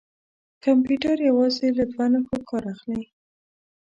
کمپیوټر یوازې له دوه نښو کار اخلي.